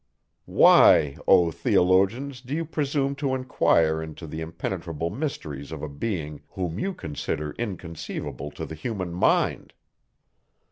Why, O theologians! do you presume to inquire into the impenetrable mysteries of a being, whom you consider inconceivable to the human mind?